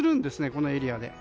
このエリアで。